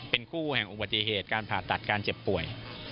เป็นคู่แห่งอุบัติเหตุการผ่าตัดการเจ็บป่วย